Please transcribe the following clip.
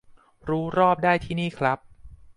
รู้รอบได้ที่นี่ครับ